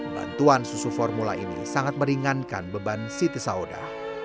bantuan susu formula ini sangat meringankan beban siti sauda